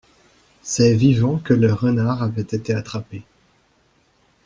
C’est vivant que le renard avait été attrapé.